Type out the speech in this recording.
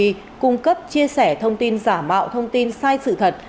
công an huyện ba thước đã cung cấp chia sẻ thông tin giả mạo thông tin sai sự thật